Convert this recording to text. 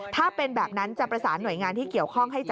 ถ้าเป็นแบบนั้นจะประสานหน่วยงานที่เกี่ยวข้อง